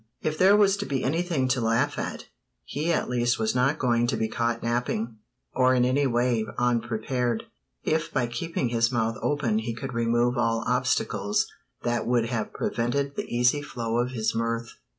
If there was to be anything to laugh at, he at least was not going to be caught napping, or in any way unprepared, if by keeping his mouth open he could remove all obstacles that would have prevented the easy flow of his mirth.